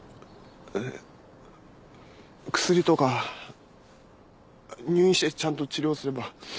薬とか入院してちゃんと治療すれば。